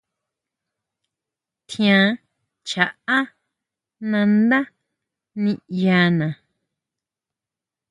Tjián chaʼá nandá niʼyana.